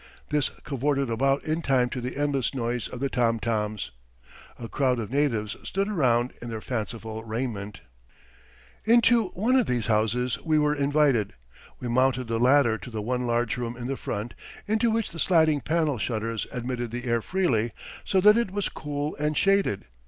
This cavorted about in time to the endless noise of the tom toms. A crowd of natives stood round in their fanciful raiment. [Illustration: A MORO DATO'S HOUSE.] Into one of these houses we were invited. We mounted the ladder to the one large room in the front, into which the sliding panel shutters admitted the air freely, so that it was cool and shaded.